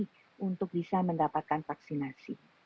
untuk bisa mendapatkan vaksinasi